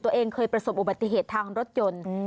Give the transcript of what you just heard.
ตัวเองเคยประสบอุบัติเหตุทางรถยนต์